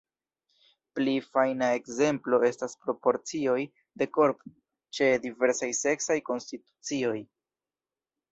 Pli fajna ekzemplo estas proporcioj de korpo ĉe diversaj seksaj konstitucioj.